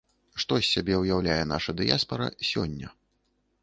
Што з сябе ўяўляе наша дыяспара сёння?